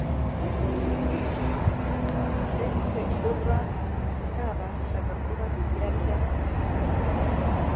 Uretse kuba itabashaga kuba yarya umuntu